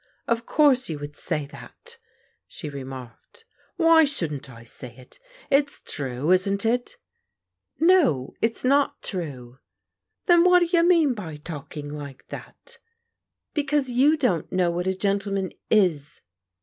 " Of course you would say that," she remarked. I " Why shouldn't I say it? If s true, isn't it? " j " No, it's not true." " Then what do you mean by talking like that? " j " Because you don't know what a gentleman is."